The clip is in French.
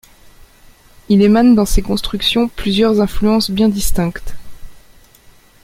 Il émane dans ses constructions plusieurs influences bien distinctes.